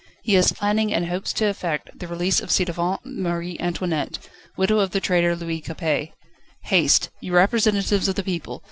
He is planning, and hopes to effect, the release of ci devant Marie Antoinette, widow of the traitor Louis Capet. Haste! ye representatives of the people!